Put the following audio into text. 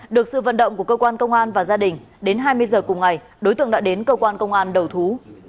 được sự vận động của cơ quan công an và gia đình đến hai mươi giờ cùng ngày đối tượng đã đến cơ quan công an đầu thú